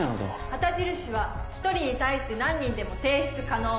旗印は１人に対して何人でも提出可能。